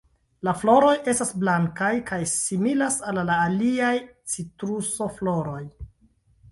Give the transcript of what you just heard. La floroj estas blankaj kaj similas al la aliaj "Citruso"-floroj.